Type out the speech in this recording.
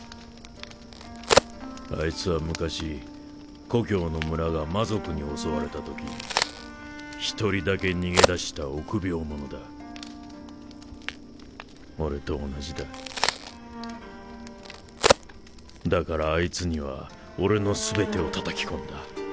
あいつは昔故郷の村が魔族に襲われた時１人だけ逃げ出した臆病者だ俺と同じだだからあいつには俺の全てをたたき込